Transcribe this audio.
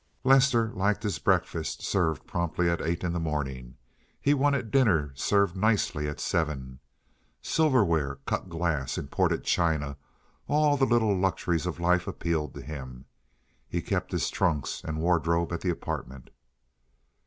Lester liked his breakfast promptly at eight in the morning. He wanted dinner served nicely at seven. Silverware, cut glass, imported china—all the little luxuries of life appealed to him. He kept his trunks and wardrobe at the apartment.